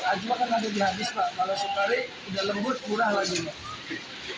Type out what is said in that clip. ajwa kan ada di habis pak